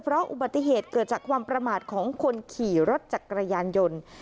เพราะอุบัติเหตุเกิดจากความประมาทของคนขี่รถจักรยานยนต์